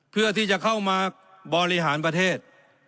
เพื่อที่จะเข้ามาบริหารประเทศ